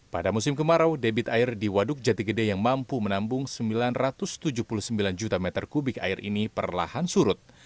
pada musim kemarau debit air di waduk jati gede yang mampu menambung sembilan ratus tujuh puluh sembilan juta meter kubik air ini perlahan surut